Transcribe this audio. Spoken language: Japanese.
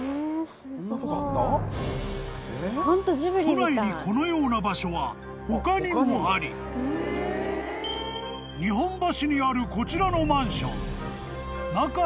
［都内にこのような場所は他にもあり日本橋にあるこちらのマンション中へ進むと］